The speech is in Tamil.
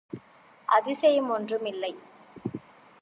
அதிசயம் ஒன்றும் இல்லை!